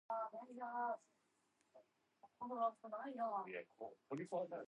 Ratzenberger suffered a basal skull fracture, and was killed instantly.